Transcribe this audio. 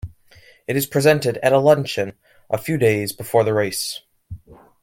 It is presented at a luncheon a few days before the race.